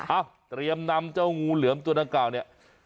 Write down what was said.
เตรียมนำเจ้างูเหลือมตัวดังกล่าวเนี่ย